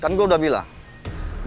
kan gua udah bilang